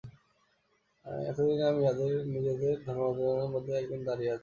এতদিনে আমি ইহাদের নিজেদের ধর্মাচার্যগণের মধ্যে একজন হইয়া দাঁড়াইয়াছি।